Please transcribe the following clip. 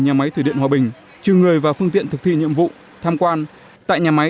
nhà máy thủy điện hòa bình trừ người và phương tiện thực thi nhiệm vụ tham quan tại nhà máy